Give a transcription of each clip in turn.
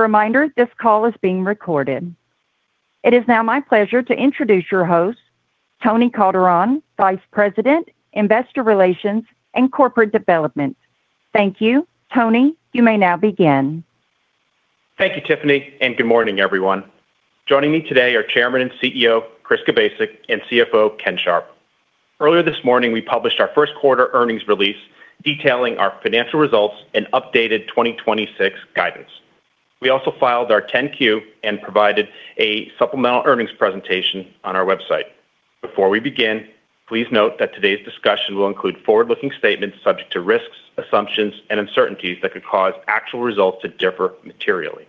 Reminder, this call is being recorded. It is now my pleasure to introduce your host, Tony Calderon, Vice President, Investor Relations and Corporate Development. Thank you. Tony, you may now begin. Thank you, Tiffany, good morning, everyone. Joining me today are Chairman and CEO, Chris Kubasik, and CFO, Ken Sharp. Earlier this morning, we published our first quarter earnings release detailing our financial results and updated 2026 guidance. We also filed our Form 10-Q and provided a supplemental earnings presentation on our website. Before we begin, please note that today's discussion will include forward-looking statements subject to risks, assumptions, and uncertainties that could cause actual results to differ materially.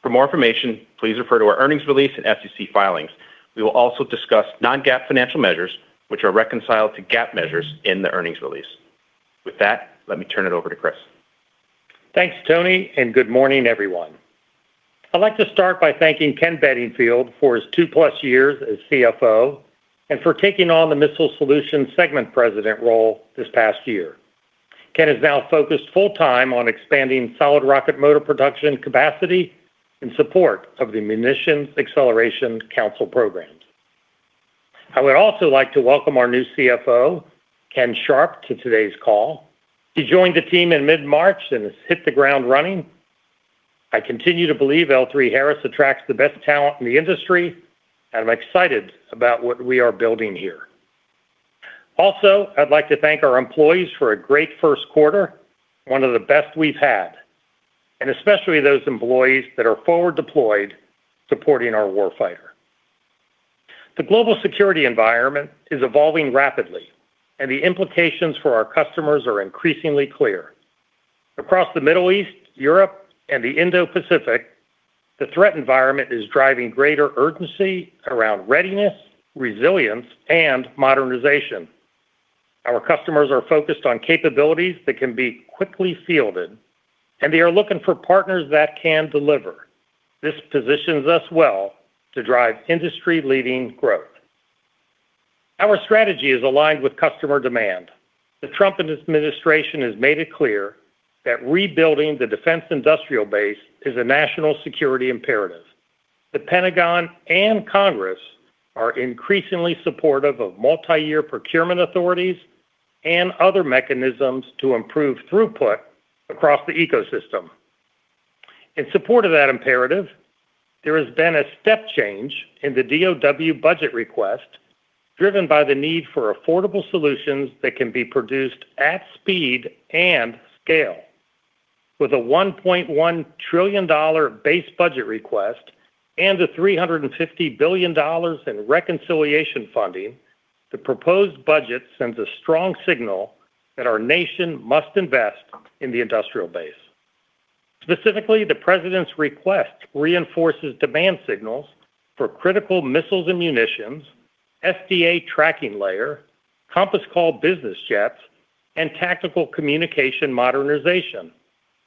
For more information, please refer to our earnings release and SEC filings. We will also discuss non-GAAP financial measures which are reconciled to GAAP measures in the earnings release. With that, let me turn it over to Chris. Thanks, Tony. Good morning, everyone. I'd like to start by thanking Kenneth Bedingfield for his two-plus years as CFO and for taking on the Missile Solutions segment president role this past year. Ken is now focused full-time on expanding solid rocket motor production capacity in support of the Munitions Acceleration Council programs. I would also like to welcome our new CFO, Ken Sharp, to today's call. He joined the team in mid-March and has hit the ground running. I continue to believe L3Harris attracts the best talent in the industry, and I'm excited about what we are building here. Also, I'd like to thank our employees for a great first quarter, one of the best we've had, and especially those employees that are forward-deployed supporting our warfighter. The global security environment is evolving rapidly, and the implications for our customers are increasingly clear. Across the Middle East, Europe, and the Indo-Pacific, the threat environment is driving greater urgency around readiness, resilience, and modernization. Our customers are focused on capabilities that can be quickly fielded, and they are looking for partners that can deliver. This positions us well to drive industry-leading growth. Our strategy is aligned with customer demand. The Trump Administration has made it clear that rebuilding the defense industrial base is a national security imperative. The Pentagon and Congress are increasingly supportive of multi-year procurement authorities and other mechanisms to improve throughput across the ecosystem. In support of that imperative, there has been a step change in the DOD budget request driven by the need for affordable solutions that can be produced at speed and scale. With a $1.1 trillion base budget request and a $350 billion in reconciliation funding, the proposed budget sends a strong signal that our nation must invest in the industrial base. Specifically, the president's request reinforces demand signals for critical missiles and munitions, SDA tracking layer, Compass Call business jets, and tactical communication modernization,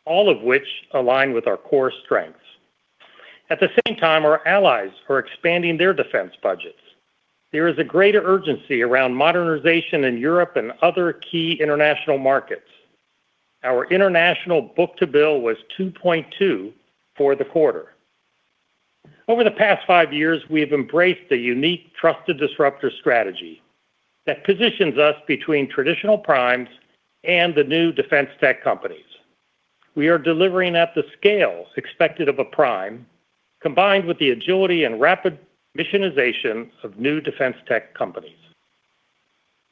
all of which align with our core strengths. At the same time, our allies are expanding their defense budgets. There is a greater urgency around modernization in Europe and other key international markets. Our international book to bill was 2.2x for the quarter. Over the past five years, we have embraced the unique Trusted Disruptor strategy that positions us between traditional primes and the new defense tech companies. We are delivering at the scale expected of a prime, combined with the agility and rapid missionization of new defense tech companies.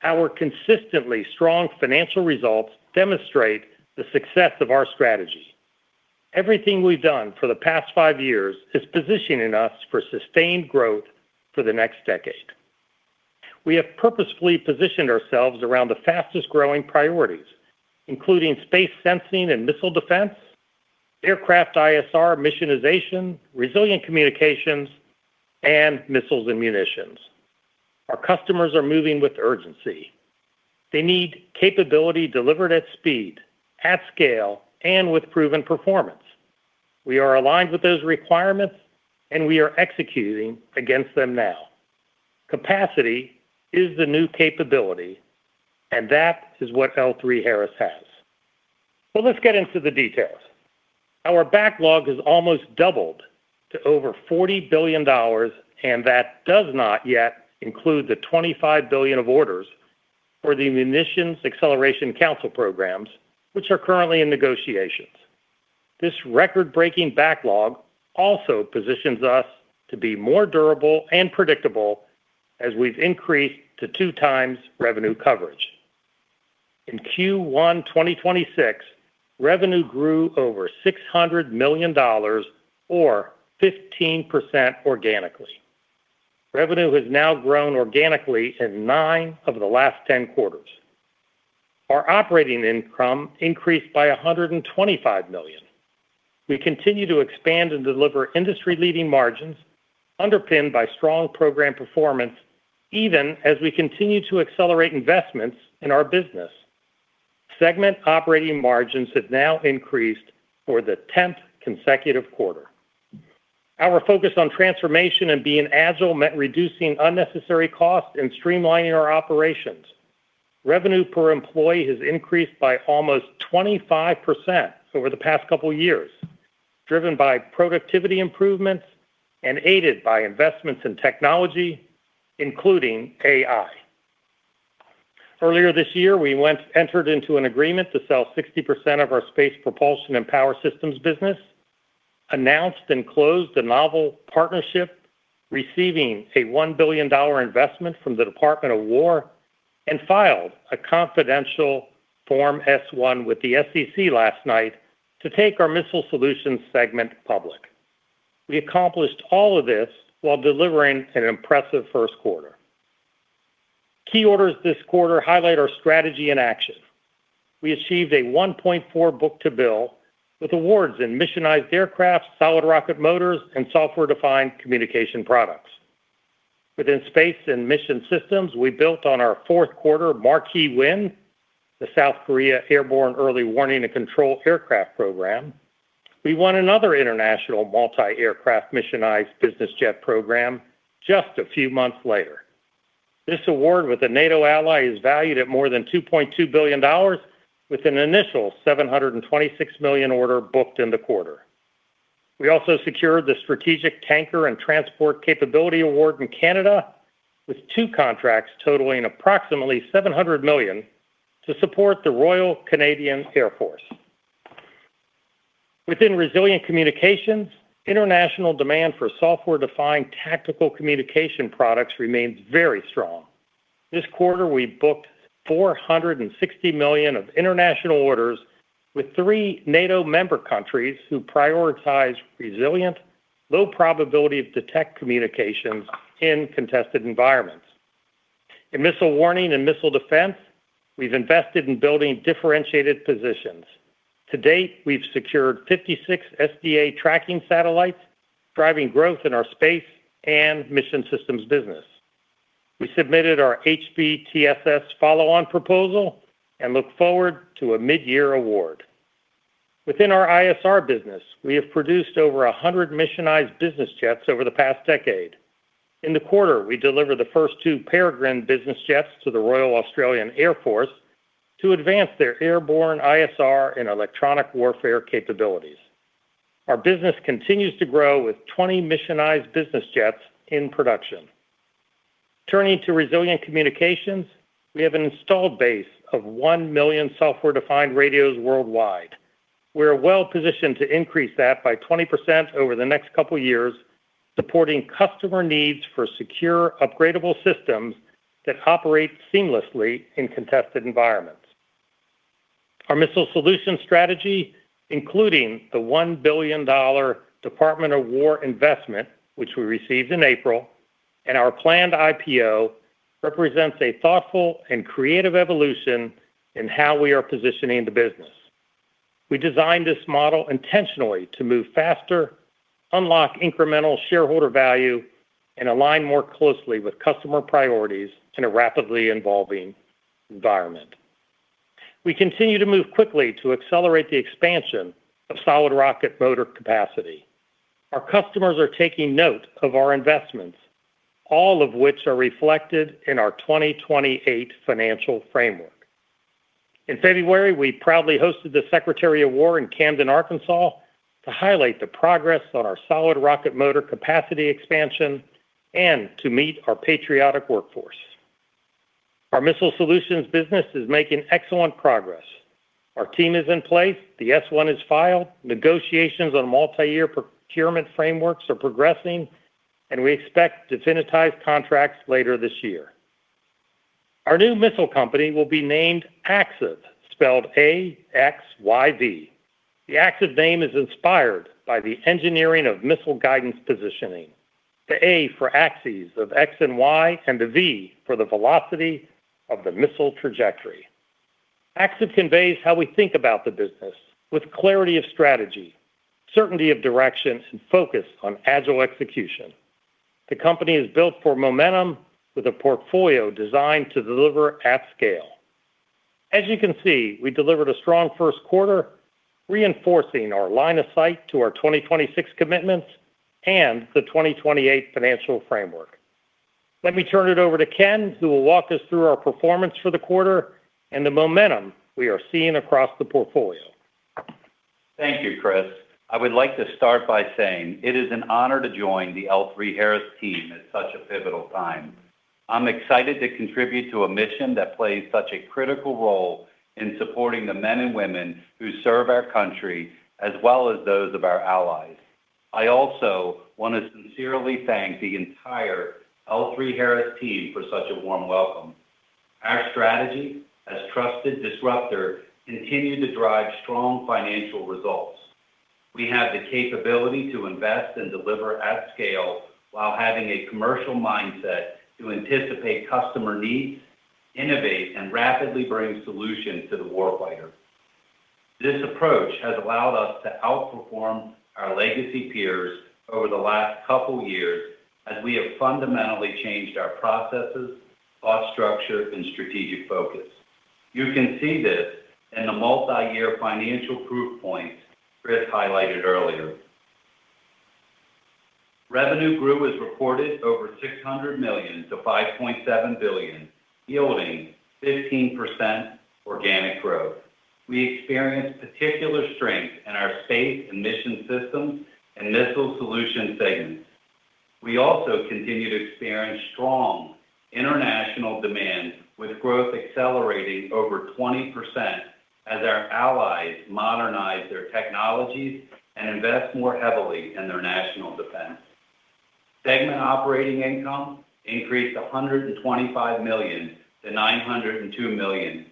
Our consistently strong financial results demonstrate the success of our strategy. Everything we've done for the past five years is positioning us for sustained growth for the next decade. We have purposefully positioned ourselves around the fastest-growing priorities, including space sensing and missile defense, aircraft ISR missionization, resilient communications, and missiles and munitions. Our customers are moving with urgency. They need capability delivered at speed, at scale, and with proven performance. We are aligned with those requirements, and we are executing against them now. Capacity is the new capability, and that is what L3Harris has. Let's get into the details. Our backlog has almost doubled to over $40 billion, and that does not yet include the $25 billion of orders for the Munitions Acceleration Council programs, which are currently in negotiations. This record-breaking backlog also positions us to be more durable and predictable as we've increased to 2x revenue coverage. In Q1 2026, revenue grew over $600 million or 15% organically. Revenue has now grown organically in nine of the last 10 quarters. Our operating income increased by $125 million. We continue to expand and deliver industry-leading margins underpinned by strong program performance even as we continue to accelerate investments in our business. Segment operating margins have now increased for the 10th consecutive quarter. Our focus on transformation and being agile meant reducing unnecessary costs and streamlining our operations. Revenue per employee has increased by almost 25% over the past couple years, driven by productivity improvements and aided by investments in technology, including AI. Earlier this year, we entered into an agreement to sell 60% of our space propulsion and power systems business, announced and closed a novel partnership receiving a $1 billion investment from the Department of War, and filed a confidential Form S-1 with the SEC last night to take our Missile Solutions segment public. We accomplished all of this while delivering an impressive first quarter. Key orders this quarter highlight our strategy in action. We achieved a 1.4x book to bill with awards in missionized aircraft, solid rocket motors, and software-defined communication products. Within Space & Mission Systems, we built on our fourth quarter marquee win, the South Korea Airborne Early Warning and Control Aircraft program. We won another international multi-aircraft missionized business jet program just a few months later. This award with a NATO ally is valued at more than $2.2 billion with an initial $726 million order booked in the quarter. We also secured the strategic tanker and transport capability award in Canada with two contracts totaling approximately $700 million to support the Royal Canadian Air Force. Within resilient communications, international demand for software-defined tactical communication products remains very strong. This quarter, we booked $460 million of international orders with three NATO member countries who prioritize resilient, low probability of detect communications in contested environments. In missile warning and missile defense, we've invested in building differentiated positions. To date, we've secured 56 SDA tracking satellites, driving growth in our Space & Mission Systems business. We submitted our HBTSS follow-on proposal and look forward to a mid-year award. Within our ISR business, we have produced over 100 missionized business jets over the past decade. In the quarter, we delivered the first two Peregrine business jets to the Royal Australian Air Force to advance their airborne ISR and electronic warfare capabilities. Our business continues to grow with 20 missionized business jets in production. Turning to resilient communications, we have an installed base of 1 million software-defined radios worldwide. We're well-positioned to increase that by 20% over the next couple years, supporting customer needs for secure, upgradable systems that operate seamlessly in contested environments. Our Missile Solutions strategy, including the $1 billion Department of War investment, which we received in April, and our planned IPO, represents a thoughtful and creative evolution in how we are positioning the business. We designed this model intentionally to move faster, unlock incremental Shareholder value, and align more closely with customer priorities in a rapidly evolving environment. We continue to move quickly to accelerate the expansion of solid rocket motor capacity. Our customers are taking note of our investments, all of which are reflected in our 2028 financial framework. In February, we proudly hosted the Secretary of War in Camden, Arkansas, to highlight the progress on our solid rocket motor capacity expansion and to meet our patriotic workforce. Our Missile Solutions business is making excellent progress. Our team is in place. The S-1 is filed. Negotiations on multi-year procurement frameworks are progressing, and we expect definitized contracts later this year. Our new missile company will be named Axyz, spelled A-X-Y-Z. The Axyz name is inspired by the engineering of missile guidance positioning, the A for axes of X and Y, and the Z for the velocity of the missile trajectory. Axyz conveys how we think about the business with clarity of strategy, certainty of direction, and focus on agile execution. The company is built for momentum with a portfolio designed to deliver at scale. As you can see, we delivered a strong first quarter, reinforcing our line of sight to our 2026 commitments and the 2028 financial framework. Let me turn it over to Ken, who will walk us through our performance for the quarter and the momentum we are seeing across the portfolio. Thank you, Chris. I would like to start by saying it is an honor to join the L3Harris team at such a pivotal time. I'm excited to contribute to a mission that plays such a critical role in supporting the men and women who serve our country, as well as those of our allies. I also want to sincerely thank the entire L3Harris team for such a warm welcome. Our strategy as Trusted Disruptor continue to drive strong financial results. We have the capability to invest and deliver at scale while having a commercial mindset to anticipate customer needs, innovate, and rapidly bring solutions to the warfighter. This approach has allowed us to outperform our legacy peers over the last couple years as we have fundamentally changed our processes, cost structure, and strategic focus. You can see this in the multi-year financial proof points Chris highlighted earlier. Revenue grew as reported over $600 million to $5.7 billion, yielding 15% organic growth. We experienced particular strength in our Space & Mission Systems and Missile Solutions segments. We also continue to experience strong international demand with growth accelerating over 20% as our allies modernize their technologies and invest more heavily in their national defense. Segment operating income increased $125 million to $902 million.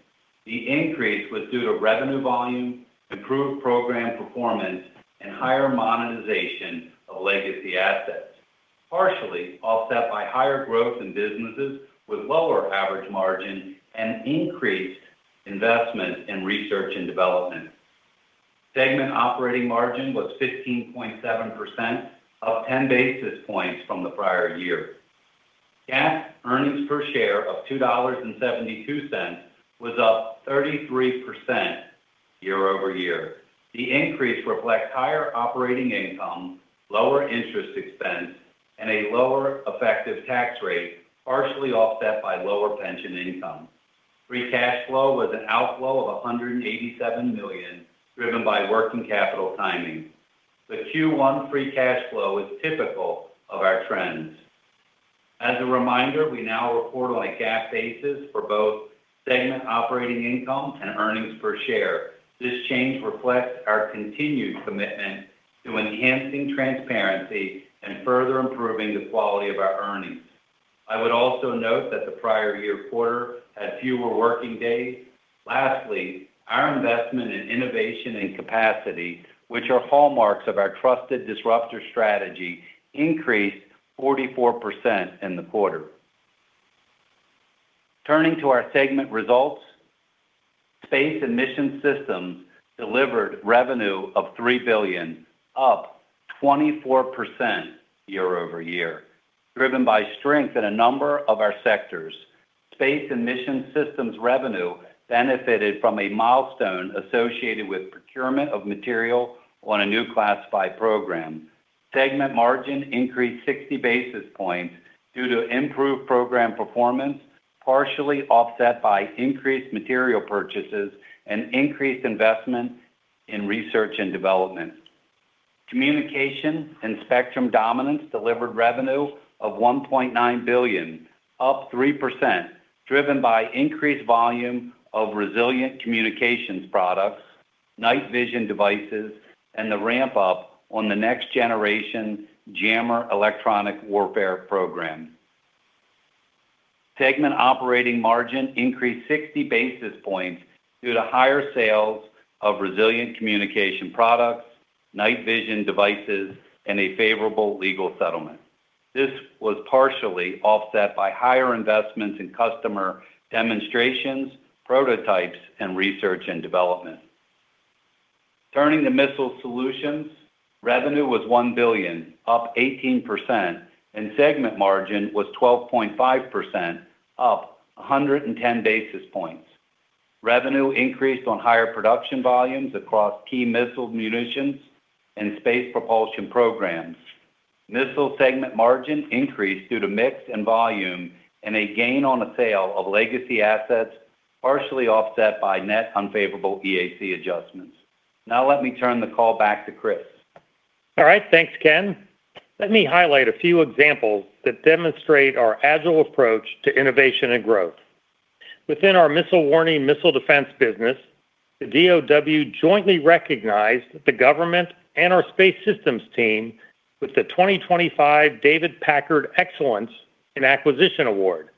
The increase was due to revenue volume, improved program performance, and higher monetization of legacy assets, partially offset by higher growth in businesses with lower average margin and increased investment in research and development. Segment operating margin was 15.7%, up 10 basis points from the prior year. GAAP earnings per share of $2.72 was up 33% year-over-year. The increase reflects higher operating income, lower interest expense, and a lower effective tax rate, partially offset by lower pension income. Free cash flow was an outflow of $187 million, driven by working capital timing. The Q1 free cash flow is typical of our trends. As a reminder, we now report on a GAAP basis for both segment operating income and earnings per share. This change reflects our continued commitment to enhancing transparency and further improving the quality of our earnings. I would also note that the prior year quarter had fewer working days. Our investment in innovation and capacity, which are hallmarks of our Trusted Disruptor strategy, increased 44% in the quarter. Turning to our segment results, Space & Mission Systems delivered revenue of $3 billion, up 24% year-over-year, driven by strength in a number of our sectors. Space & Mission Systems revenue benefited from a milestone associated with procurement of material on a new classified program. Segment margin increased 60 basis points due to improved program performance, partially offset by increased material purchases and increased investment in research and development. Communications & Spectrum Dominance delivered revenue of $1.9 billion, up 3%, driven by increased volume of resilient communications products, night vision devices, and the ramp up on the Next Generation Jammer electronic warfare program. Segment operating margin increased 60 basis points due to higher sales of resilient communication products, night vision devices, and a favorable legal settlement. This was partially offset by higher investments in customer demonstrations, prototypes, and research and development. Turning to Missile Solutions, revenue was $1 billion, up 18%, and segment margin was 12.5%, up 110 basis points. Revenue increased on higher production volumes across key missile munitions and space propulsion programs. Missile segment margin increased due to mix and volume and a gain on the sale of legacy assets partially offset by net unfavorable EAC adjustments. Let me turn the call back to Chris. All right. Thanks, Ken. Let me highlight a few examples that demonstrate our agile approach to innovation and growth. Within our missile warning missile defense business, the DOD jointly recognized the government and our space systems team with the 2025 David Packard Excellence in Acquisition Award.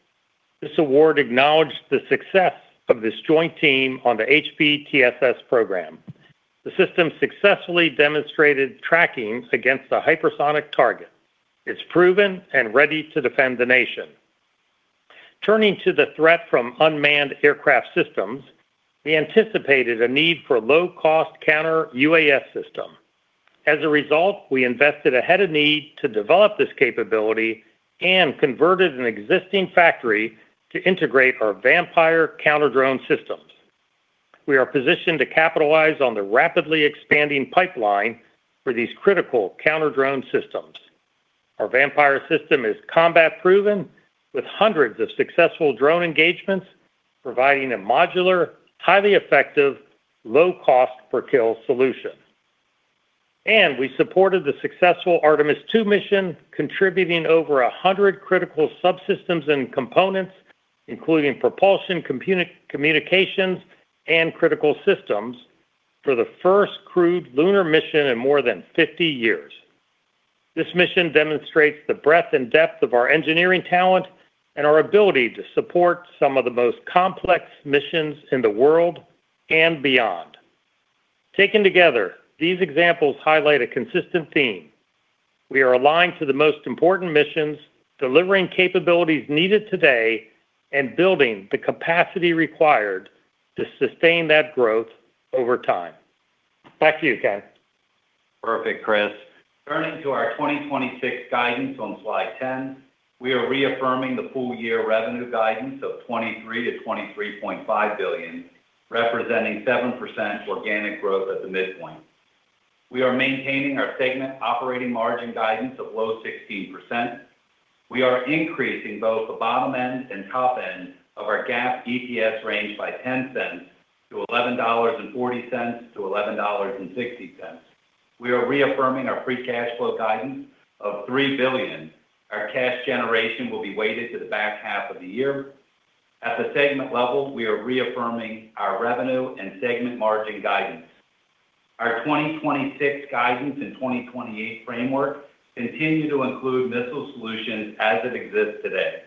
This award acknowledged the success of this joint team on the HBTSS program. The system successfully demonstrated tracking against a hypersonic target. It's proven and ready to defend the nation. Turning to the threat from unmanned aircraft systems, we anticipated a need for low-cost counter UAS system. As a result, we invested ahead of need to develop this capability and converted an existing factory to integrate our VAMPIRE counter-drone systems. We are positioned to capitalize on the rapidly expanding pipeline for these critical counter-drone systems. Our VAMPIRE system is combat-proven with 100s of successful drone engagements, providing a modular, highly effective, low cost per kill solution. We supported the successful Artemis II mission, contributing over 100 critical subsystems and components, including propulsion, communications, and critical systems for the first crewed lunar mission in more than 50 years. This mission demonstrates the breadth and depth of our engineering talent and our ability to support some of the most complex missions in the world and beyond. Taken together, these examples highlight a consistent theme. We are aligned to the most important missions, delivering capabilities needed today and building the capacity required to sustain that growth over time. Back to you, Ken. Perfect, Chris. Turning to our 2026 guidance on slide 10, we are reaffirming the full year revenue guidance of $23 billion-$23.5 billion, representing 7% organic growth at the midpoint. We are maintaining our segment operating margin guidance of low 16%. We are increasing both the bottom end and top end of our GAAP EPS range by $0.10-$11.40-$11.60. We are reaffirming our free cash flow guidance of $3 billion. Our cash generation will be weighted to the back half of the year. At the segment level, we are reaffirming our revenue and segment margin guidance. Our 2026 guidance and 2028 framework continue to include Missile Solutions as it exists today.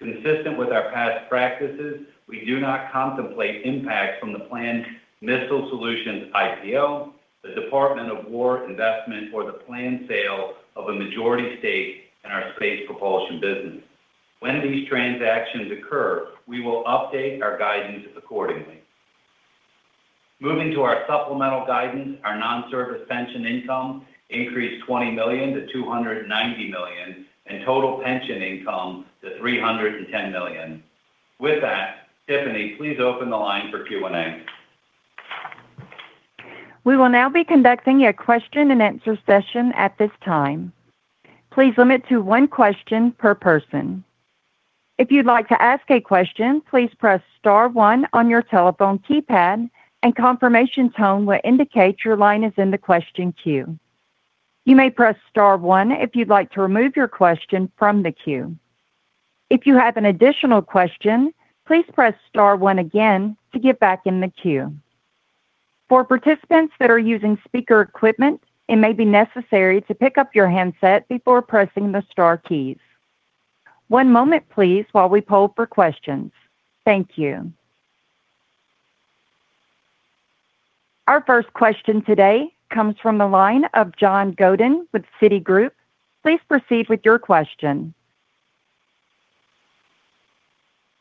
Consistent with our past practices, we do not contemplate impact from the planned Missile Solutions IPO, the Department of War investment or the planned sale of a majority stake in our space propulsion business. When these transactions occur, we will update our guidance accordingly. Moving to our supplemental guidance, our non-service pension income increased $20 million to $290 million, and total pension income to $310 million. With that, Tiffany, please open the line for Q&A. We will now be conducting a question and answer session at this time. Please limit to one question per person. If you'd like to ask a question, please press star one on your telephone keypad and confirmation tone will indicate your line is in the question queue. You may press star one if you'd like to remove your question from the queue. If you have an additional question, please press star one again to get back in the queue. For participants that are using speaker equipment, it may be necessary to pick up your handset before pressing the star keys. One moment, please, while we poll for questions. Thank you. Our first question today comes from the line of John Godyn with Citigroup. Please proceed with your question.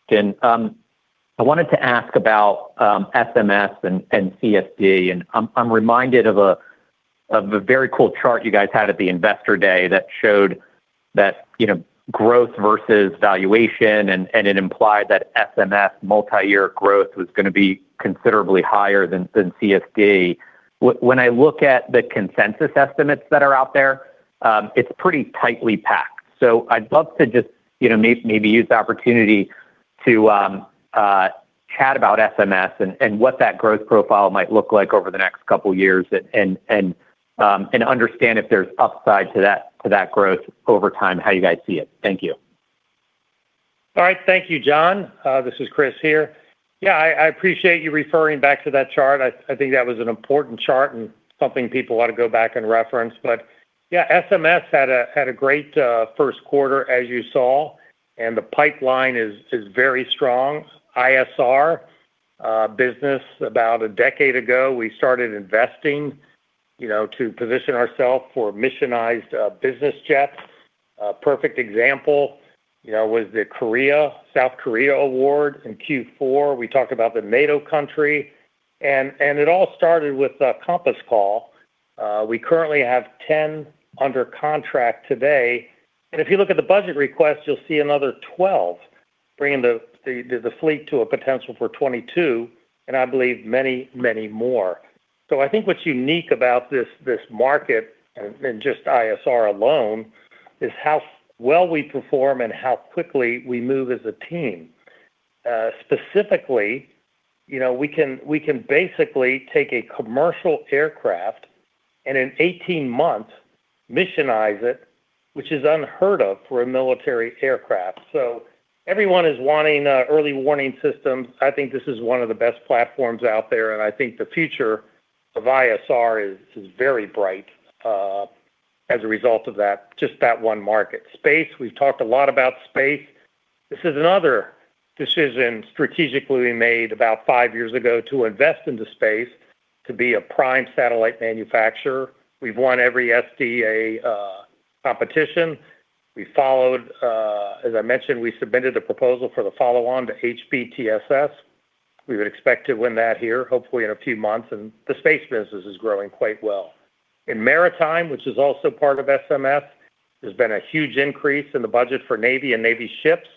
John, I wanted to ask about SMS and CSD. I'm reminded of a very cool chart you guys had at the Investor Day that showed that, you know, growth versus valuation, and it implied that SMS multi-year growth was gonna be considerably higher than CSD. When I look at the consensus estimates that are out there, it's pretty tightly packed. I'd love to just, you know, maybe use the opportunity to chat about SMS and what that growth profile might look like over the next couple of years. And understand if there's upside to that growth over time, how you guys see it. Thank you. All right. Thank you, John. This is Chris here. I appreciate you referring back to that chart. I think that was an important chart and something people ought to go back and reference. SMS had a great first quarter, as you saw, and the pipeline is very strong. ISR business, about a decade ago, we started investing, you know, to position ourself for missionized business jets. Perfect example, you know, was the Korea, South Korea award in Q4. We talked about the NATO country. It all started with a Compass Call. We currently have 10 under contract today. If you look at the budget request, you'll see another 12, bringing the fleet to a potential for 22, and I believe many, many more. I think what's unique about this market, and just ISR alone, is how well we perform and how quickly we move as a team. Specifically, you know, we can basically take a commercial aircraft and in 18 months missionize it, which is unheard of for a military aircraft. Everyone is wanting a early warning system. I think this is one of the best platforms out there, and I think the future of ISR is very bright as a result of that, just that one market. Space. We've talked a lot about space. This is another decision strategically we made about five years ago to invest into space to be a prime satellite manufacturer. We've won every SDA competition. We followed, as I mentioned, we submitted a proposal for the follow-on to HBTSS. We would expect to win that here, hopefully in a few months. The space business is growing quite well. In maritime, which is also part of SMS, there's been a huge increase in the budget for Navy and Navy ships.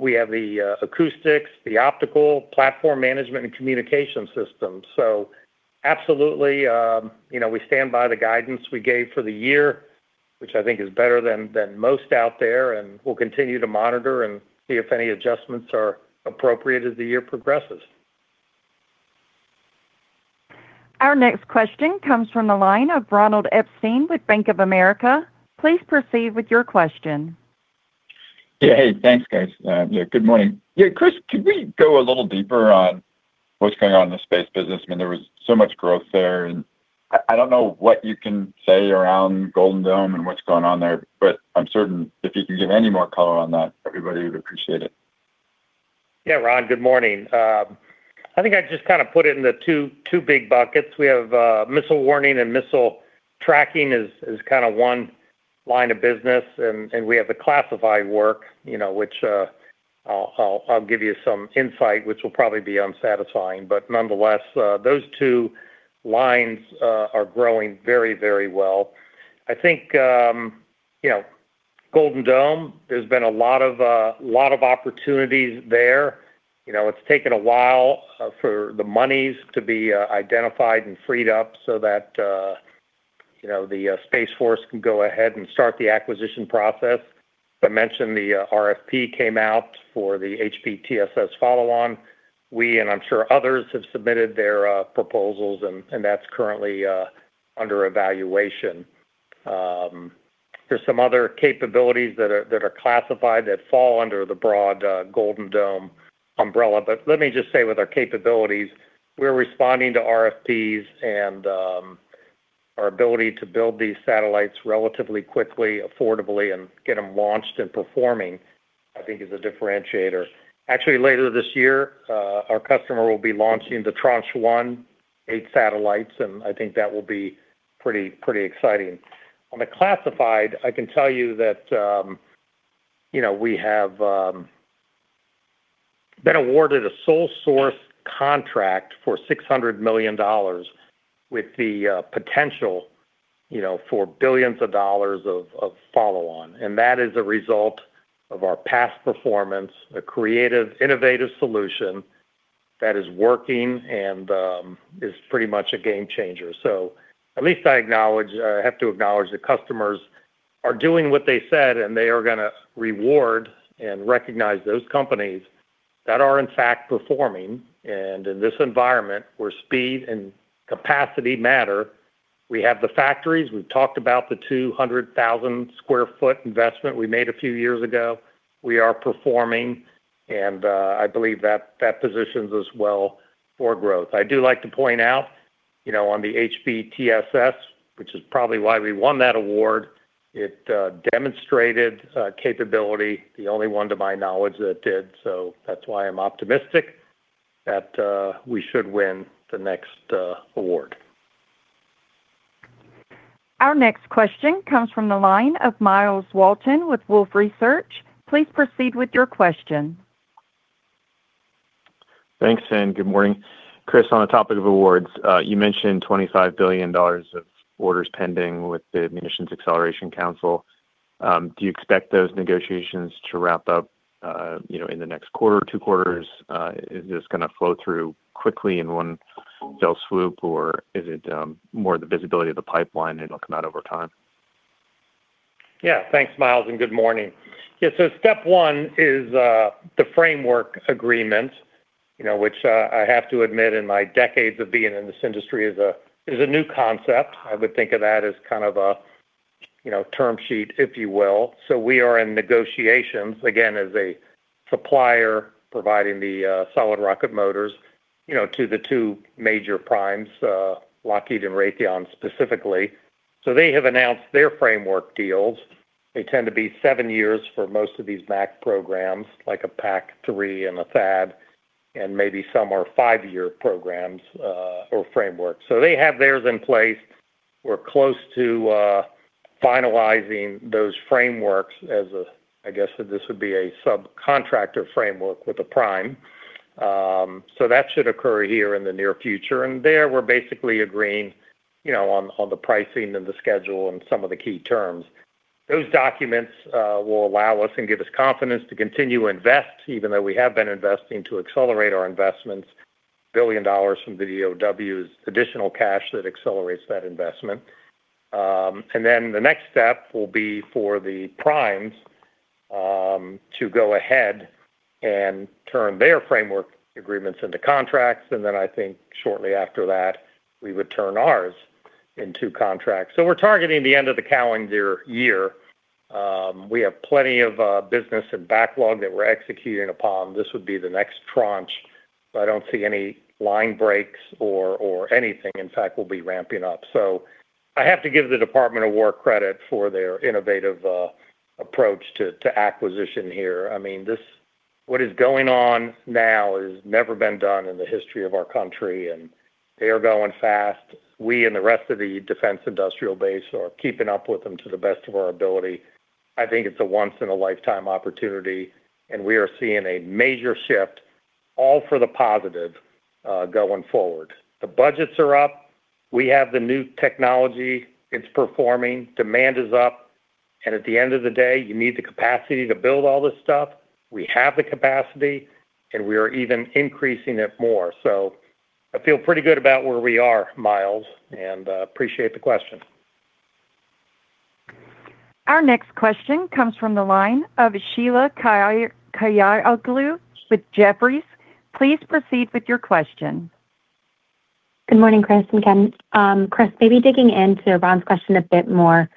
We have the acoustics, the optical platform management and communication system. Absolutely, you know, we stand by the guidance we gave for the year, which I think is better than most out there, and we'll continue to monitor and see if any adjustments are appropriate as the year progresses. Our next question comes from the line of Ronald Epstein with Bank of America. Please proceed with your question. Yeah. Hey, thanks, guys. Yeah, good morning. Yeah, Chris, could we go a little deeper on what's going on in the space business? I mean, there was so much growth there, and I don't know what you can say around Golden Dome and what's going on there, but I'm certain if you can give any more color on that, everybody would appreciate it. Ron, good morning. I think I'd just kind of put it into two big buckets. We have missile warning and missile tracking is kind of 1 line of business, and we have the classified work, you know, which I'll give you some insight, which will probably be unsatisfying. Nonetheless, those two lines are growing very, very well. I think, you know, Golden Dome, there's been a lot of opportunities there. You know, it's taken a while for the monies to be identified and freed up so that, you know, the Space Force can go ahead and start the acquisition process. Mentioned the RFP came out for the HBTSS follow-on. We, and I'm sure others, have submitted their proposals, and that's currently under evaluation. There's some other capabilities that are, that are classified that fall under the broad Golden Dome umbrella. Let me just say, with our capabilities, we're responding to RFPs and our ability to build these satellites relatively quickly, affordably, and get them launched and performing, I think is a differentiator. Actually, later this year, our customer will be launching the Tranche 1 eight satellites, and I think that will be pretty exciting. On the classified, I can tell you that, you know, we have been awarded a sole source contract for $600 million with the potential, you know, for billions of dollars of follow on. That is a result of our past performance, a creative, innovative solution that is working and is pretty much a game changer. At least I acknowledge, or I have to acknowledge the customers are doing what they said, and they are gonna reward and recognize those companies that are in fact performing. In this environment where speed and capacity matter, we have the factories. We've talked about the 200,000 sq ft investment we made a few years ago. We are performing, and I believe that positions us well for growth. I do like to point out, you know, on the HBTSS, which is probably why we won that award, it demonstrated capability, the only one to my knowledge that did. That's why I'm optimistic that we should win the next award. Our next question comes from the line of Myles Walton with Wolfe Research. Please proceed with your question. Thanks, good morning. Chris, on the topic of awards, you mentioned $25 billion of orders pending with the Munitions Acceleration Council. Do you expect those negotiations to wrap up, you know, in the next quarter or two quarters? Is this gonna flow through quickly in one fell swoop, or is it more the visibility of the pipeline and it'll come out over time? Thanks, Myles, and good morning. Step one is the framework agreement, you know, which I have to admit in my decades of being in this industry is a new concept. I would think of that as kind of a, you know, term sheet, if you will. We are in negotiations, again, as a supplier providing the solid rocket motors, you know, to the two major primes, Lockheed Martin and Raytheon specifically. They have announced their framework deals. They tend to be seven years for most of these MAC programs, like a PAC-3 and a THAAD, and maybe some are five-year programs or frameworks. They have theirs in place. We're close to finalizing those frameworks as a, I guess this would be a subcontractor framework with a prime. That should occur here in the near future. There we're basically agreeing, you know, on the pricing and the schedule and some of the key terms. Those documents will allow us and give us confidence to continue to invest, even though we have been investing to accelerate our investments, $1 billion from the DOD's additional cash that accelerates that investment. Then the next step will be for the primes to go ahead and turn their framework agreements into contracts. Then I think shortly after that, we would turn ours into contracts. We're targeting the end of the calendar year. We have plenty of business and backlog that we're executing upon. This would be the next tranche. I don't see any line breaks or anything. In fact, we'll be ramping up. I have to give the Department of War credit for their innovative approach to acquisition here. What is going on now has never been done in the history of our country. They are going fast. We and the rest of the defense industrial base are keeping up with them to the best of our ability. I think it's a once in a lifetime opportunity. We are seeing a major shift, all for the positive, going forward. The budgets are up. We have the new technology. It's performing. Demand is up. At the end of the day, you need the capacity to build all this stuff. We have the capacity. We are even increasing it more. I feel pretty good about where we are, Myles, and appreciate the question. Our next question comes from the line of Sheila Kahyaoglu with Jefferies. Please proceed with your question. Good morning, Chris and Ken. Chris, maybe digging into Ron's question a bit more.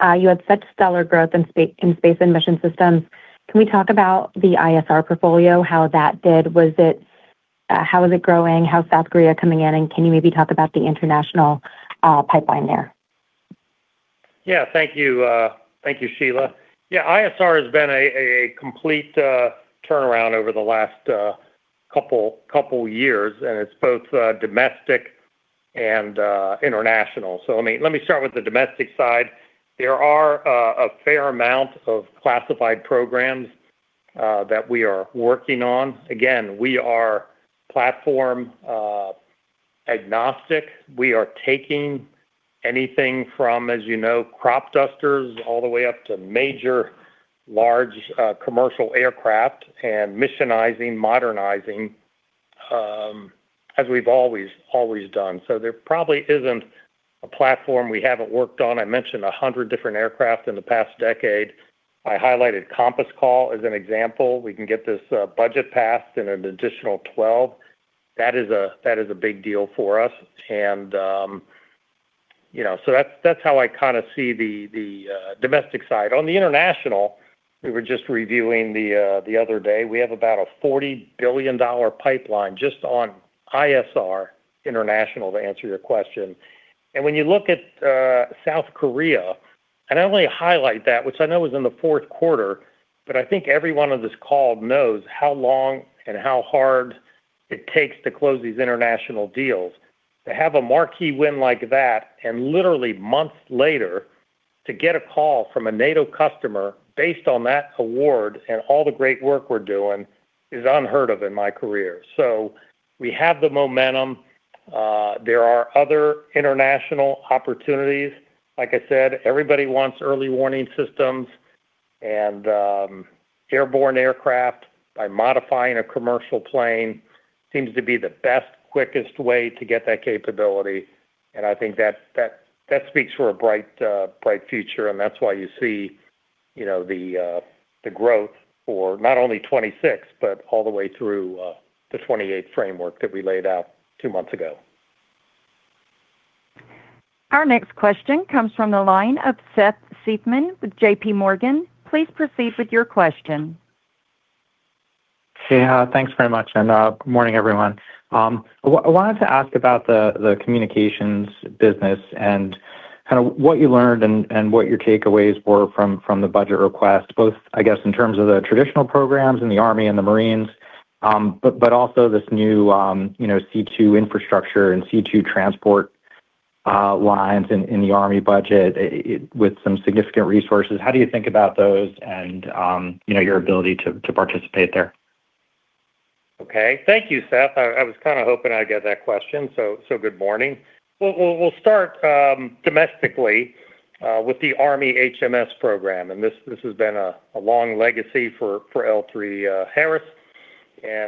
You had such stellar growth in Space & Mission Systems. Can we talk about the ISR portfolio, how that did? How is it growing? How's South Korea coming in, and can you maybe talk about the international pipeline there? Yeah. Thank you. Thank you, Sheila. Yeah, ISR has been a complete turnaround over the last couple years. It's both domestic and international. Let me start with the domestic side. There are a fair amount of classified programs that we are working on. Again, we are platform agnostic. We are taking anything from, as you know, crop dusters all the way up to major large commercial aircraft and missionizing, modernizing, as we've always done. There probably isn't a platform we haven't worked on. I mentioned 100 different aircraft in the past decade. I highlighted Compass Call as an example. We can get this budget passed and an additional 12. That is a big deal for us. You know, that's how I kinda see the domestic side. On the international, we were just reviewing the other day, we have about a $40 billion pipeline just on ISR international, to answer your question. When you look at South Korea, I only highlight that, which I know was in the fourth quarter, but I think everyone on this call knows how long and how hard it takes to close these international deals. To have a marquee win like that and literally months later, to get a call from a NATO customer based on that award and all the great work we're doing is unheard of in my career. We have the momentum. There are other international opportunities. Like I said, everybody wants early warning systems and airborne aircraft by modifying a commercial plane seems to be the best, quickest way to get that capability. I think that speaks for a bright future. That's why you see, you know, the growth for not only 2026, but all the way through the 2028 framework that we laid out two months ago. Our next question comes from the line of Seth Seifman with JPMorgan. Please proceed with your question. Thanks very much, and good morning, everyone. I wanted to ask about the communications business and kind of what you learned and what your takeaways were from the budget request, both I guess in terms of the traditional programs in the Army and the Marines, but also this new, you know, C2 infrastructure and C2 transport lines in the Army budget with some significant resources. How do you think about those and, you know, your ability to participate there? Okay. Thank you, Seth. I was kind of hoping I'd get that question, so good morning. We'll start domestically with the Army HMS program, and this has been a long legacy for L3Harris.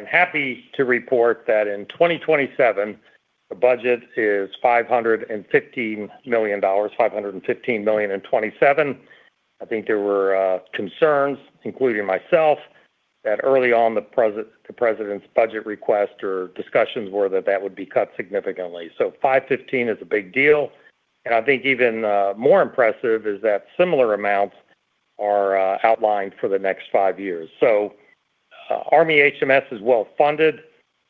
Happy to report that in 2027, the budget is $515 million, $515 million in 2027. I think there were concerns, including myself, that early on the president's budget request or discussions were that that would be cut significantly. $515 is a big deal, and I think even more impressive is that similar amounts are outlined for the next five years. Army HMS is well-funded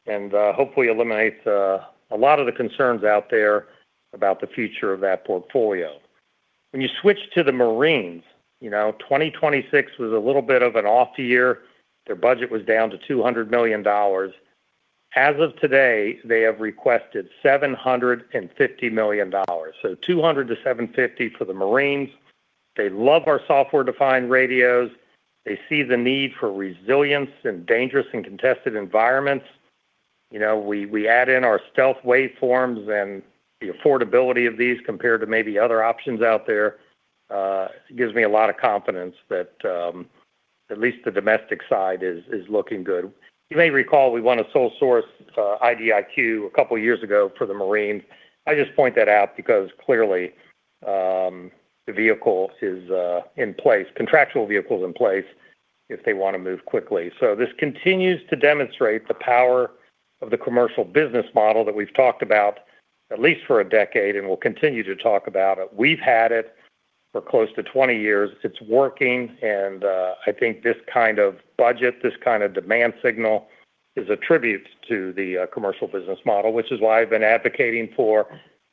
and hopefully eliminates a lot of the concerns out there about the future of that portfolio. When you switch to the Marines, you know, 2026 was a little bit of an off year. Their budget was down to $200 million. As of today, they have requested $750 million, $200 million-$750 million for the Marines. They love our software-defined radios. They see the need for resilience in dangerous and contested environments. You know, we add in our stealth waveforms and the affordability of these compared to maybe other options out there, gives me a lot of confidence that at least the domestic side is looking good. You may recall we won a sole source IDIQ two years ago for the Marines. I just point that out because clearly, the vehicle is in place, contractual vehicle's in place if they wanna move quickly. This continues to demonstrate the power of the commercial business model that we've talked about at least for a decade, and we'll continue to talk about it. We've had it for close to 20 years. It's working, I think this kind of budget, this kind of demand signal is a tribute to the commercial business model, which is why I've been advocating for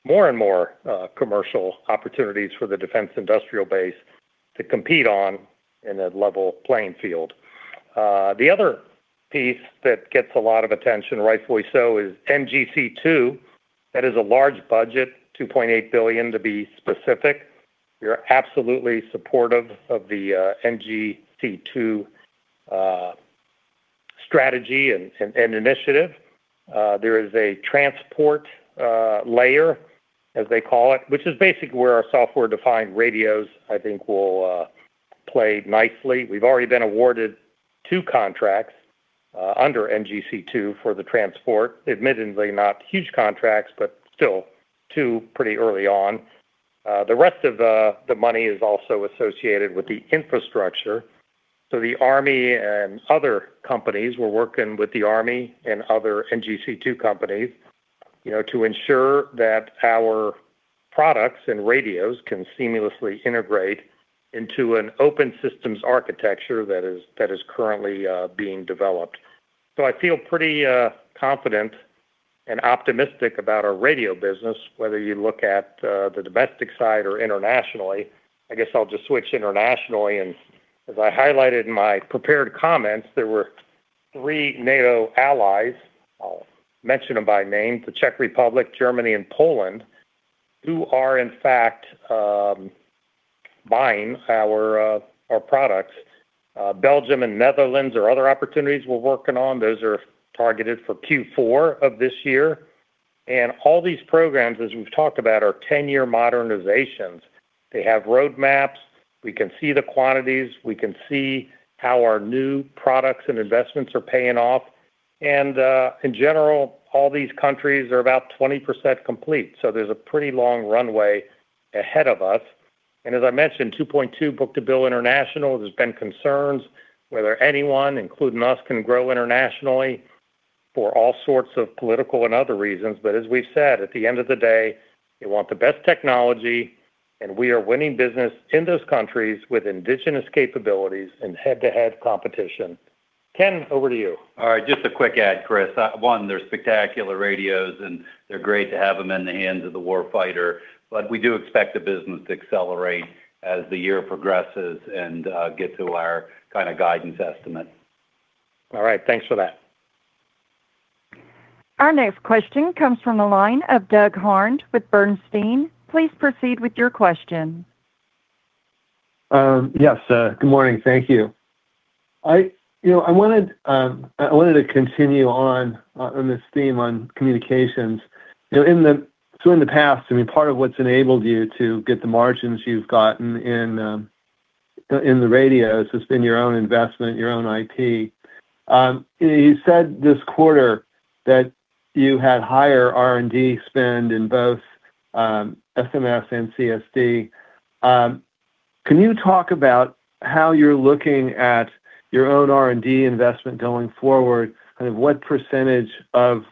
more and more commercial opportunities for the defense industrial base to compete on in a level playing field. The other piece that gets a lot of attention, rightfully so, is NGC2. That is a large budget, $2.8 billion to be specific. We are absolutely supportive of the NGC2 strategy and initiative. There is a transport layer, as they call it, which is basically where our software-defined radios, I think, will play nicely. We've already been awarded two contracts under NGC2 for the transport. Admittedly, not huge contracts, but still two pretty early on. The rest of the money is also associated with the infrastructure. The Army and other companies, we're working with the Army and other NGC2 companies, you know, to ensure that our products and radios can seamlessly integrate into an open systems architecture that is, that is currently being developed. I feel pretty confident and optimistic about our radio business, whether you look at the domestic side or internationally. I guess I'll just switch internationally, as I highlighted in my prepared comments, there were three NATO allies, I'll mention them by name, the Czech Republic, Germany, and Poland, who are in fact, buying our products. Belgium and Netherlands are other opportunities we're working on. Those are targeted for Q4 of this year. All these programs, as we've talked about, are 10-year modernizations. They have roadmaps. We can see the quantities. We can see how our new products and investments are paying off. In general, all these countries are about 20% complete, so there's a pretty long runway ahead of us. As I mentioned, 2.2x book-to-bill international. There's been concerns whether anyone, including us, can grow internationally for all sorts of political and other reasons. As we've said, at the end of the day, they want the best technology, and we are winning business in those countries with indigenous capabilities and head-to-head competition. Ken, over to you. All right, just a quick add, Chris. One, they're spectacular radios, and they're great to have them in the hands of the warfighter. We do expect the business to accelerate as the year progresses and get to our kind of guidance estimate. All right, thanks for that. Our next question comes from the line of Doug Harned with Bernstein. Please proceed with your question. Yes, good morning. Thank you. I, you know, I wanted to continue on this theme on communications. You know, in the past, I mean, part of what's enabled you to get the margins you've gotten in the radios has been your own investment, your own IT. You said this quarter that you had higher R&D spend in both SMS and CSD. Can you talk about how you're looking at your own R&D investment going forward? Kind of what percentage of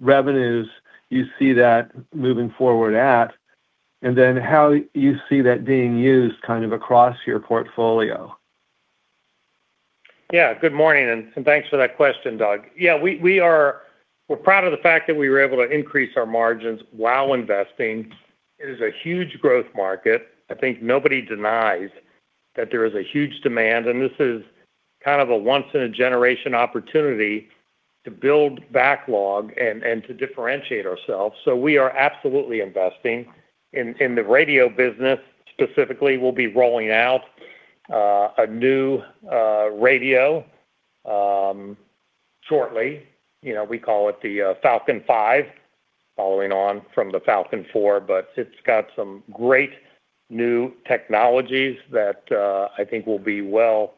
revenues you see that moving forward at, and then how you see that being used kind of across your portfolio? Yeah, good morning, thanks for that question, Doug. Yeah, we're proud of the fact that we were able to increase our margins while investing. It is a huge growth market. I think nobody denies that there is a huge demand, and this is kind of a once-in-a-generation opportunity to build backlog and to differentiate ourselves. We are absolutely investing. In the radio business specifically, we'll be rolling out a new radio shortly. You know, we call it the Falcon V, following on from the Falcon IV. It's got some great new technologies that I think will be well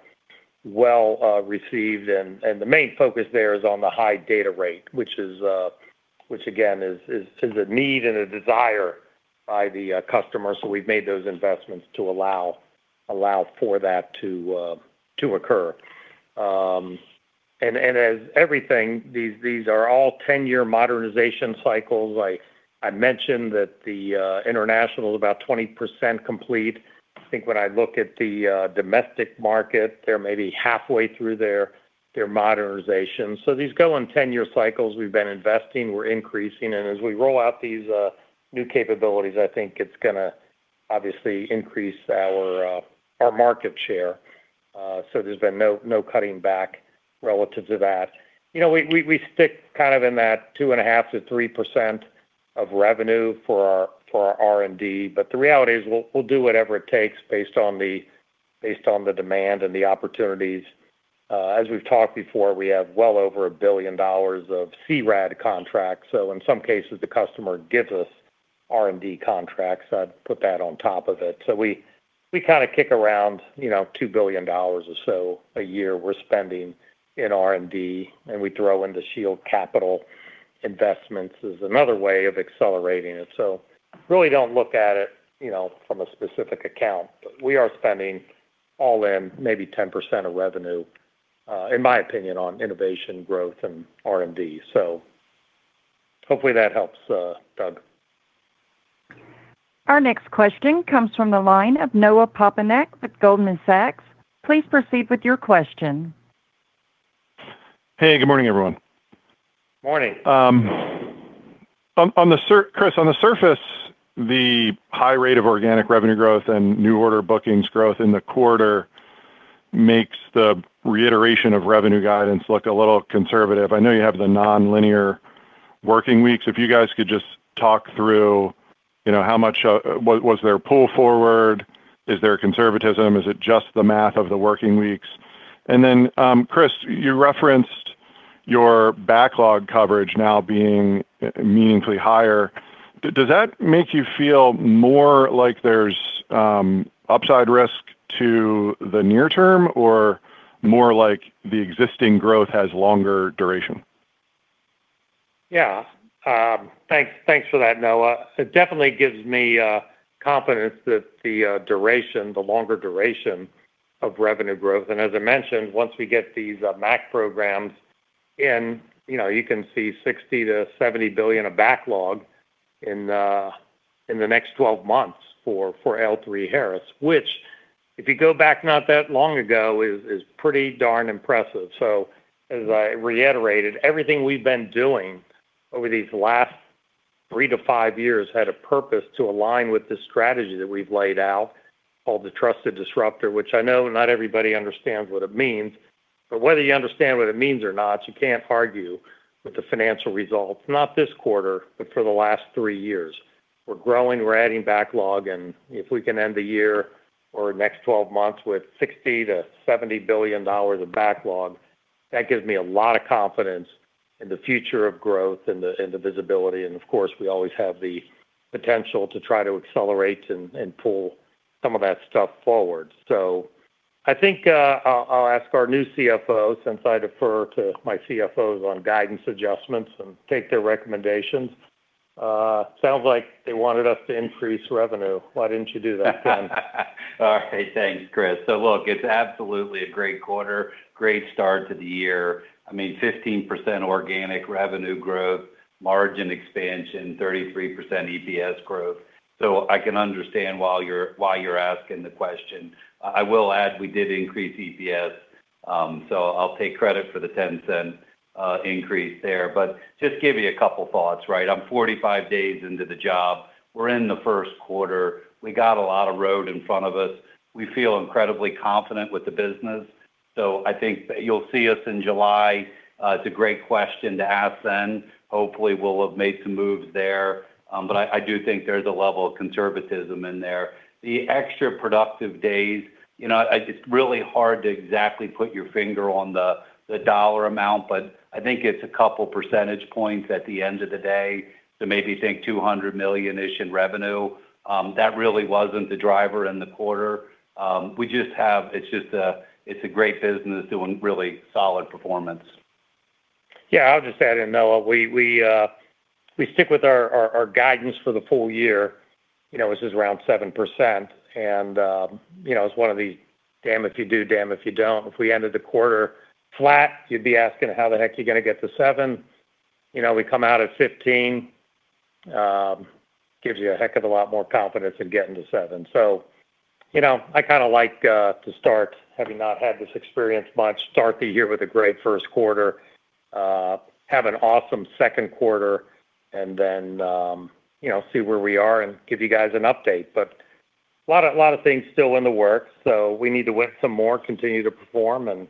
received. The main focus there is on the high data rate, which again, is a need and a desire by the customer. We've made those investments to allow for that to occur. As everything, these are all 10-year modernization cycles. I mentioned that the international is about 20% complete. I think when I look at the domestic market, they're maybe halfway through their modernization. These go in 10-year cycles. We've been investing. We're increasing. As we roll out these new capabilities, I think it's gonna obviously increase our market share. There's been no cutting back relative to that. You know, we stick kind of in that 2.5%-3% of revenue for our R&D. The reality is we'll do whatever it takes based on the demand and the opportunities. As we've talked before, we have well over $1 billion of CRADA contracts. In some cases, the customer gives us R&D contracts. I'd put that on top of it. We, we kind of kick around, you know, $2 billion or so a year we're spending in R&D, and we throw in the shield capital investments is another way of accelerating it. Really don't look at it, you know, from a specific account. We are spending all in maybe 10% of revenue, in my opinion, on innovation, growth, and R&D. Hopefully that helps, Doug. Our next question comes from the line of Noah Poponak with Goldman Sachs. Please proceed with your question. Hey, good morning, everyone. Morning. Chris, on the surface, the high rate of organic revenue growth and new order bookings growth in the quarter makes the reiteration of revenue guidance look a little conservative. I know you have the nonlinear working weeks. If you guys could just talk through, you know, how much was there pull forward? Is there conservatism? Is it just the math of the working weeks? Then, Chris, you referenced your backlog coverage now being meaningfully higher. Does that make you feel more like there's upside risk to the near term or more like the existing growth has longer duration? Thanks for that, Noah. It definitely gives me confidence that the longer duration of revenue growth. As I mentioned, once we get these MAC programs in, you know, you can see $60 billion-$70 billion of backlog in the next 12 months for L3Harris, which if you go back not that long ago, is pretty darn impressive. As I reiterated, everything we've been doing over these last three to five years had a purpose to align with the strategy that we've laid out called the Trusted Disruptor, which I know not everybody understands what it means, but whether you understand what it means or not, you can't argue with the financial results, not this quarter, but for the last three years. We're growing, we're adding backlog, and if we can end the year or next 12 months with $60 billion-$70 billion of backlog, that gives me a lot of confidence in the future of growth and the visibility. Of course, we always have the potential to try to accelerate and pull some of that stuff forward. I think, I'll ask our new CFO, since I defer to my CFOs on guidance adjustments and take their recommendations. Sounds like they wanted us to increase revenue. Why didn't you do that, Ken? All right. Thanks, Chris. Look, it's absolutely a great quarter, great start to the year. I mean, 15% organic revenue growth, margin expansion, 33% EPS growth. I can understand why you're asking the question. I will add we did increase EPS, so I'll take credit for the $0.10 increase there. Just give you a couple of thoughts, right? I'm 45 days into the job. We're in the 1st quarter. We got a lot of road in front of us. We feel incredibly confident with the business. I think that you'll see us in July. It's a great question to ask then. Hopefully, we'll have made some moves there. I do think there's a level of conservatism in there. The extra productive days, you know, it's really hard to exactly put your finger on the dollar amount, but I think it's a couple percentage points at the end of the day to maybe think $200 million-ish in revenue. That really wasn't the driver in the quarter. It's just a great business, doing really solid performance. Yeah. I'll just add in, Noah, we stick with our guidance for the full year, you know, which is around 7%. You know, it's one of the, "Damn if you do, damn if you don't." If we ended the quarter flat, you'd be asking, "How the heck you gonna get to 7%?" You know, we come out at 15, gives you a heck of a lot more confidence in getting to 7%. You know, I kinda like to start, having not had this experience much, start the year with a great first quarter, have an awesome second quarter, and then, you know, see where we are and give you guys an update. Lotta things still in the works, so we need to win some more, continue to perform, and,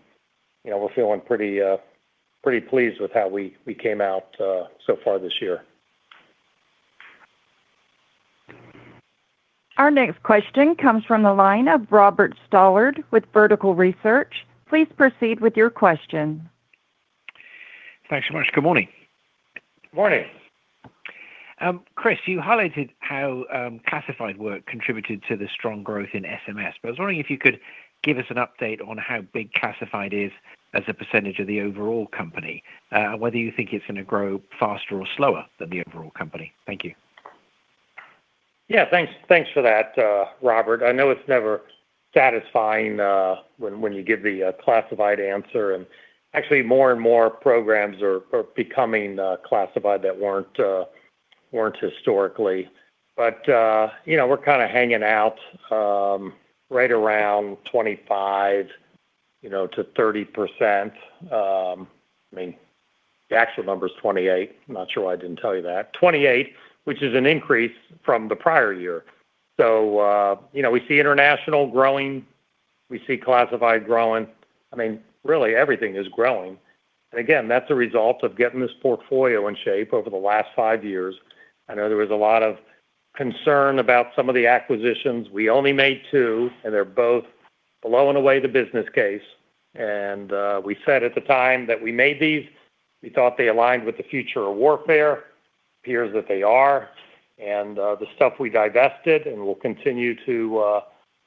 you know, we're feeling pretty pleased with how we came out so far this year. Our next question comes from the line of Robert Stallard with Vertical Research. Please proceed with your question. Thanks so much. Good morning. Morning. Chris, you highlighted how classified work contributed to the strong growth in SMS, I was wondering if you could give us an update on how big classified is as a percentage of the overall company, whether you think it's gonna grow faster or slower than the overall company. Thank you. Thanks, thanks for that, Robert. I know it's never satisfying when you give the classified answer. More and more programs are becoming classified that weren't historically. We're kinda hanging out right around 25%, you know, to 30%. I mean, the actual number's 28%. I'm not sure why I didn't tell you that. 28%, which is an increase from the prior year. We see international growing. We see classified growing. I mean, really everything is growing. That's a result of getting this portfolio in shape over the last five years. I know there was a lot of concern about some of the acquisitions. We only made two, and they're both blowing away the business case. We said at the time that we made these, we thought they aligned with the future of warfare. Appears that they are. The stuff we divested and will continue to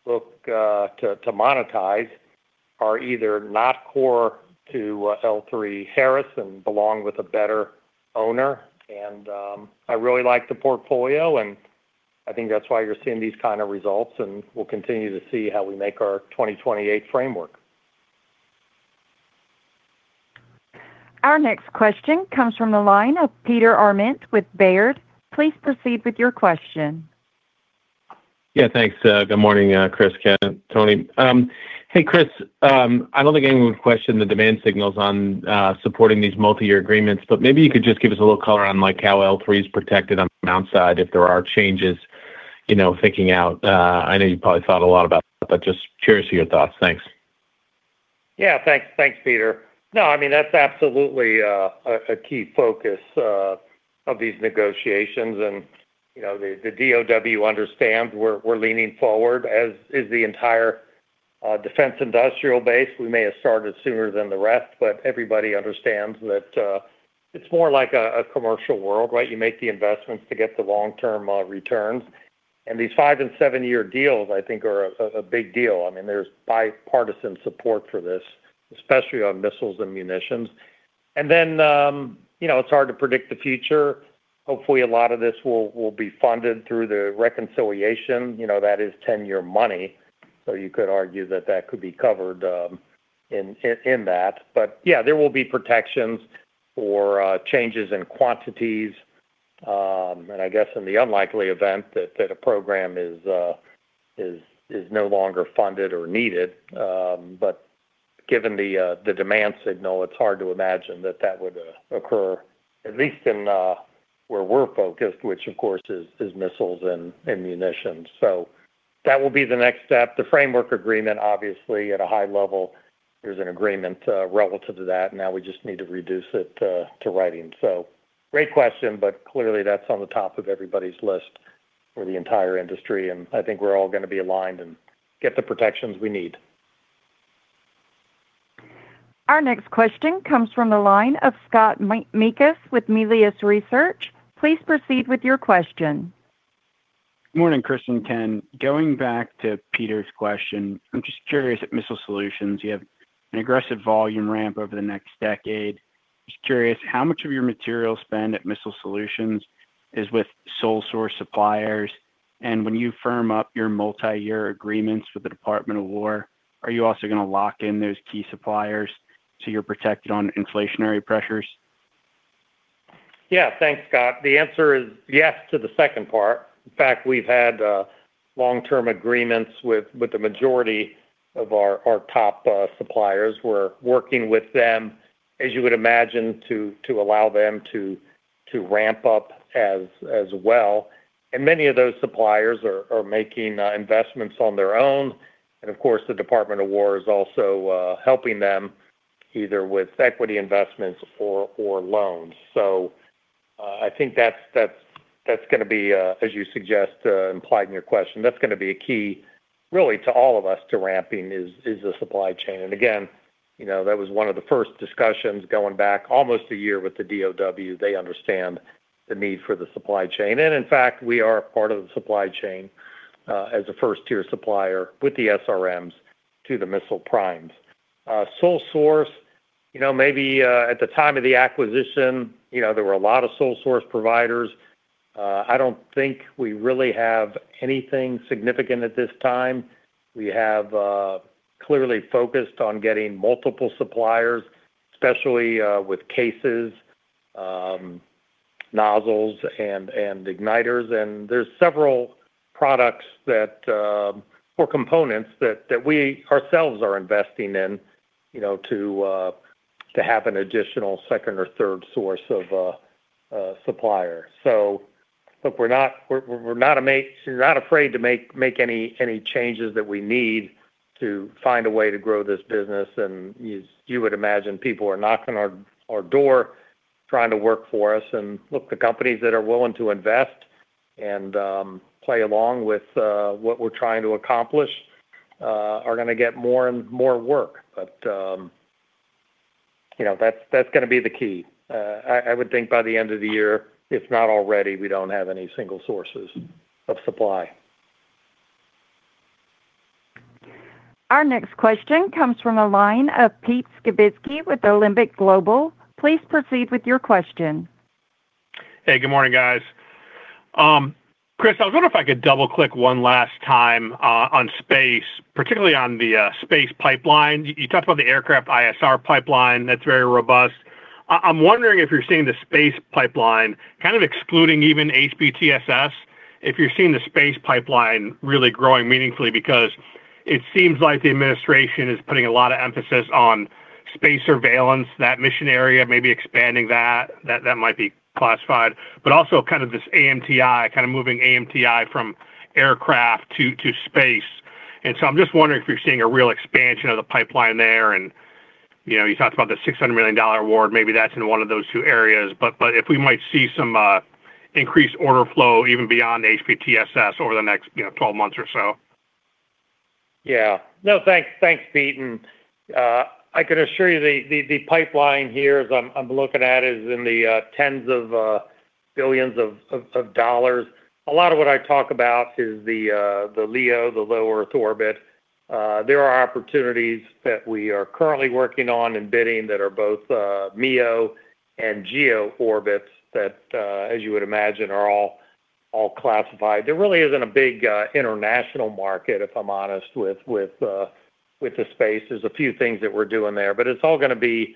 look to monetize are either not core to L3Harris and belong with a better owner. I really like the portfolio, and I think that's why you're seeing these kind of results, and we'll continue to see how we make our 2028 framework. Our next question comes from the line of Peter Arment with Baird. Please proceed with your question. Yeah. Thanks. Good morning, Chris, Ken, Tony. Hey, Chris. I don't think anyone would question the demand signals on supporting these multi-year agreements, but maybe you could just give us a little color on, like, how L3 is protected on the downside if there are changes, you know, thinking out. I know you've probably thought a lot about that, but just curious of your thoughts. Thanks. Thanks, Peter. I mean, that's absolutely a key focus of these negotiations. You know, the DOD understands we're leaning forward, as is the entire defense industrial base. We may have started sooner than the rest, everybody understands that it's more like a commercial world, right? You make the investments to get the long-term returns. These five- and seven-year deals, I think, are a big deal. I mean, there's bipartisan support for this, especially on missiles and munitions. You know, it's hard to predict the future. Hopefully, a lot of this will be funded through the reconciliation. You know, that is 10-year money, you could argue that that could be covered in that. There will be protections for changes in quantities. I guess in the unlikely event that a program is no longer funded or needed, but given the demand signal, it's hard to imagine that that would occur at least in where we're focused, which of course is missiles and munitions. That will be the next step. The framework agreement, obviously at a high level, there's an agreement relative to that. Now we just need to reduce it to writing. Great question, but clearly that's on the top of everybody's list for the entire industry, and I think we're all gonna be aligned and get the protections we need. Our next question comes from the line of Scott Mikus with Melius Research. Please proceed with your question. Morning, Chris and Ken. Going back to Peter's question, I'm just curious, at Missile Solutions, you have an aggressive volume ramp over the next decade. Just curious, how much of your material spend at Missile Solutions is with sole source suppliers? When you firm up your multi-year agreements with the Department of War, are you also going to lock in those key suppliers so you're protected on inflationary pressures? Yeah. Thanks, Scott. The answer is yes to the second part. In fact, we've had long-term agreements with the majority of our top suppliers. We're working with them, as you would imagine, to allow them to ramp up as well. Many of those suppliers are making investments on their own. Of course, the Department of War is also helping them either with equity investments or loans. I think that's going to be, as you suggest, implied in your question, that's going to be a key really to all of us to ramping is the supply chain. Again, you know, that was one of the first discussions going back almost a year with the DOD. They understand the need for the supply chain. In fact, we are a part of the supply chain, as a first-tier supplier with the SRMs to the missile primes. Sole source, you know, maybe, at the time of the acquisition, you know, there were a lot of sole source providers. I don't think we really have anything significant at this time. We have clearly focused on getting multiple suppliers, especially with cases, nozzles and igniters. There's several products that, or components that we ourselves are investing in, you know, to have an additional second or third source of supplier. Look, we're not afraid to make any changes that we need to find a way to grow this business. As you would imagine, people are knocking our door trying to work for us. Look, the companies that are willing to invest and play along with what we're trying to accomplish are gonna get more and more work. You know, that's gonna be the key. I would think by the end of the year, if not already, we don't have any single sources of supply. Our next question comes from the line of Pete Skibitsky with Alembic Global. Please proceed with your question. Hey, good morning, guys. Chris, I was wondering if I could double-click one last time on space, particularly on the space pipeline. You talked about the aircraft ISR pipeline that's very robust. I'm wondering if you're seeing the space pipeline, kind of excluding even HBTSS, if you're seeing the space pipeline really growing meaningfully. It seems like the Administration is putting a lot of emphasis on space surveillance, that mission area, maybe expanding that. That might be classified. Also kind of this AMTI, kind of moving AMTI from aircraft to space. I'm just wondering if you're seeing a real expansion of the pipeline there. You know, you talked about the $600 million award, maybe that's in one of those two areas. If we might see some increased order flow even beyond HBTSS over the next, you know, 12 months or so. Yeah. No, thanks. Thanks, Pete. I can assure you the pipeline here as I'm looking at is in the 10s of billions of dollars. A lot of what I talk about is the LEO, the low Earth orbit. There are opportunities that we are currently working on and bidding that are both MEO and GEO orbits that, as you would imagine, are all classified. There really isn't a big international market, if I'm honest, with the space. There's a few things that we're doing there. It's all gonna be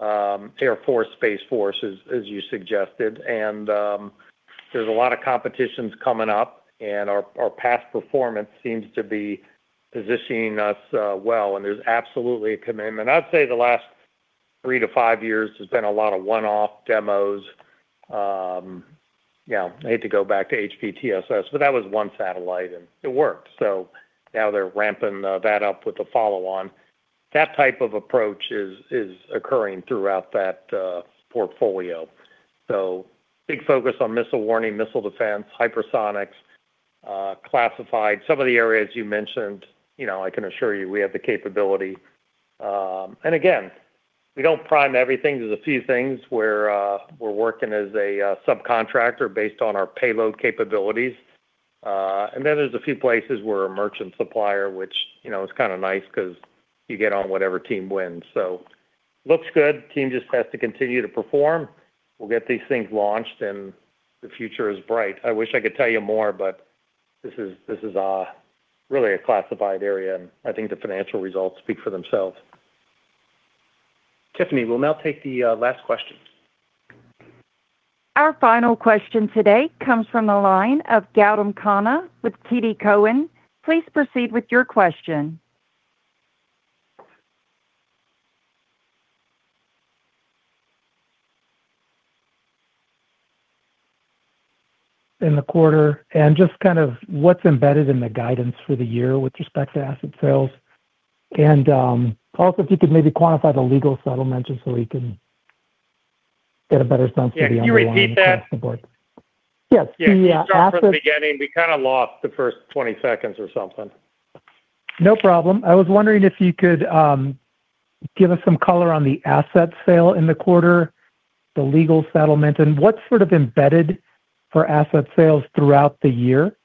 Air Force, Space Force as you suggested. There's a lot of competitions coming up, and our past performance seems to be positioning us well. There's absolutely a commitment. I'd say the last three to five years, there's been a lot of one-off demos. You know, I hate to go back to HBTSS, that was one satellite and it worked. Now they're ramping that up with the follow-on. That type of approach is occurring throughout that portfolio. Big focus on missile warning, missile defense, hypersonics, classified. Some of the areas you mentioned, you know, I can assure you we have the capability. Again, we don't prime everything. There's a few things where we're working as a subcontractor based on our payload capabilities. There's a few places we're a merchant supplier, which, you know, is kind of nice 'cause you get on whatever team wins. Looks good. Team just has to continue to perform. We'll get these things launched, the future is bright. I wish I could tell you more, but this is really a classified area. I think the financial results speak for themselves. Tiffany, we'll now take the last question. Our final question today comes from the line of Gautam Khanna with TD Cowen. Please proceed with your question. In the quarter, just kind of what's embedded in the guidance for the year with respect to asset sales, also if you could maybe quantify the legal settlement just so we can get a better sense of the ongoing? Yeah. Can you repeat that? Yes. The asset- Yeah. Can you start from the beginning? We kind of lost the first 20 seconds or something. No problem. I was wondering if you could give us some color on the asset sale in the quarter, the legal settlement, and what's sort of embedded for asset sales throughout the year,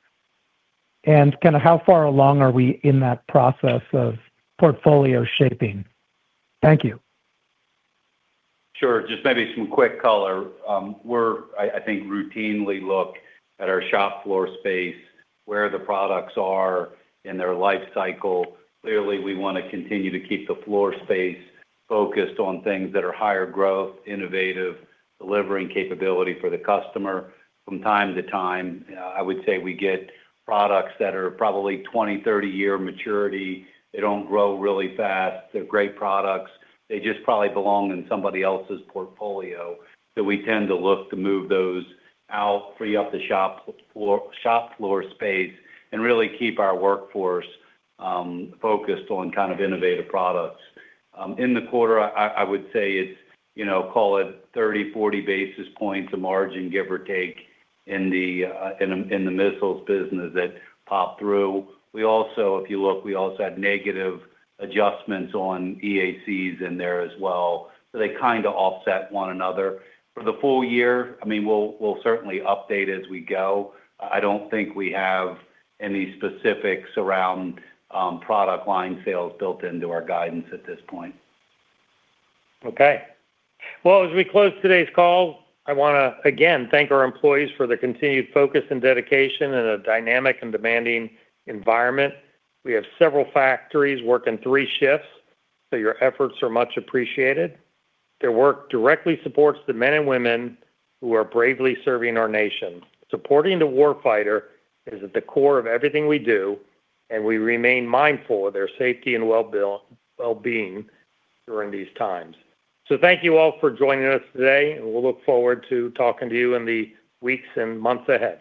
and kind of how far along are we in that process of portfolio shaping. Thank you. Sure. Just maybe some quick color. I think routinely look at our shop floor space, where the products are in their life cycle. Clearly, we wanna continue to keep the floor space focused on things that are higher growth, innovative, delivering capability for the customer. From time to time, I would say we get products that are probably 20, 30-year maturity. They don't grow really fast. They're great products. They just probably belong in somebody else's portfolio. We tend to look to move those out, free up the shop floor space, and really keep our workforce focused on kind of innovative products. In the quarter, I would say it's, you know, call it 30, 40 basis points of margin, give or take, in the Missile Solutions business that popped through. We also, if you look, we also had negative adjustments on EACs in there as well, so they kind of offset one another. For the full year, I mean, we'll certainly update as we go. I don't think we have any specifics around product line sales built into our guidance at this point. Okay. Well, as we close today's call, I wanna again thank our employees for their continued focus and dedication in a dynamic and demanding environment. We have several factories working three shifts, so your efforts are much appreciated. Their work directly supports the men and women who are bravely serving our nation. Supporting the war fighter is at the core of everything we do, and we remain mindful of their safety and well being during these times. Thank you all for joining us today, and we'll look forward to talking to you in the weeks and months ahead.